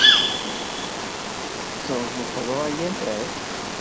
Ttetteḍ lxeḍra yal ass?